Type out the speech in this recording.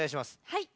はい。